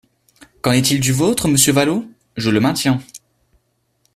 Qu’en est-il du vôtre, monsieur Vallaud ? Je le maintiens.